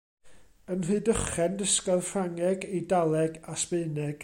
Yn Rhydychen dysgodd Ffrangeg, Eidaleg a Sbaeneg.